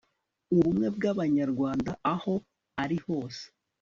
ubumwe bw'abanyarwanda aho ari hose